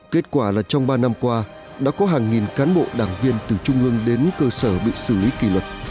kết quả là trong ba năm qua đã có hàng nghìn cán bộ đảng viên từ trung ương đến cơ sở bị xử lý kỷ luật